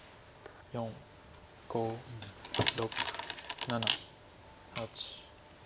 ４５６７８。